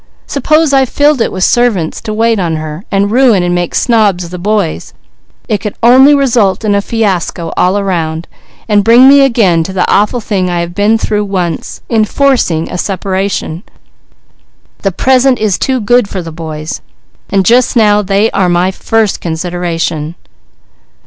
Suppose I filled it with servants to wait on her, and ruin and make snobs of the boys; it could only result in a fiasco all around, and bring me again to the awful thing I have been through once, in forcing a separation. The present is too good for the boys, and now they are my first consideration."